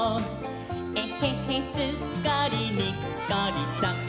「えへへすっかりにっこりさん！」